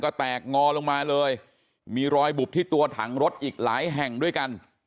ก็แตกงอลงมาเลยมีรอยบุบที่ตัวถังรถอีกหลายแห่งด้วยกัน